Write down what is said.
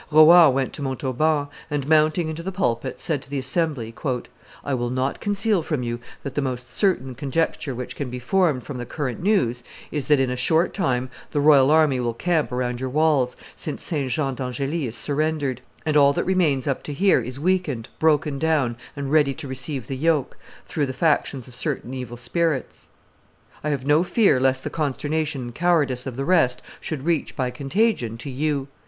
Rohan went to Montauban, and, mounting into the pulpit, said to the assembly, "I will not conceal from you that the most certain conjecture which can be formed from the current news is, that in a short time the royal army will camp around your walls, since St. Jean d'Angely is surrendered, and all that remains up to here is weakened, broken down, and ready to receive the yoke, through the factions of certain evil spirits. I have no fear lest the consternation and cowardice of the rest should reach by contagion to you.